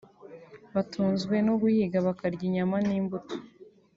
batunzwe no guhiga bakarya inyama n’imbuto